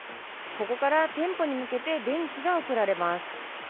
ここから店舗に向けて電気が送られます。